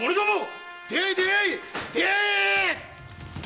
出会え出会えー‼